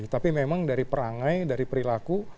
tapi memang dari perangai dari perilaku